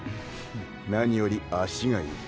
何より足がいい。